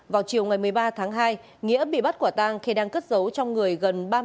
vào chiều ngày một mươi ba tháng hai nghĩa bị bắt quả tang khi đang cất giấu trong người gần ba mươi ba